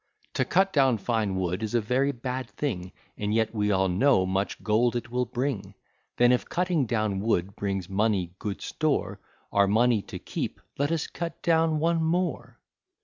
To cut down fine wood is a very bad thing; And yet we all know much gold it will bring: Then, if cutting down wood brings money good store Our money to keep, let us cut down one more.